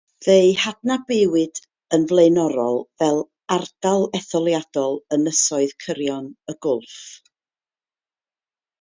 Fe'i hadnabuwyd yn flaenorol fel Ardal Etholiadol Ynysoedd Cyrion y Gwlff.